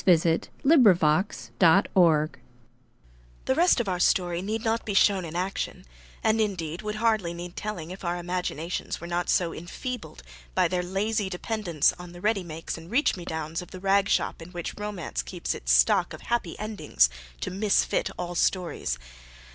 The rest of the story need not be shown in action, and indeed, would hardly need telling if our imaginations were not so enfeebled by their lazy dependence on the ready makes and reach me downs of the ragshop in which Romance keeps its stock of "happy endings" to misfit all stories.